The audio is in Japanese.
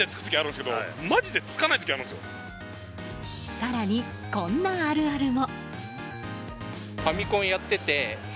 更に、こんなあるあるも。